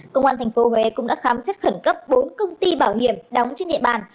công an tp huế cũng đã khám xét khẩn cấp bốn công ty bảo hiểm đóng trên địa bàn